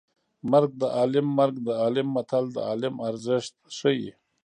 مرګ د عالیم مرګ د عالیم متل د عالم ارزښت ښيي